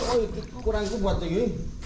oh kurang aku buat lagi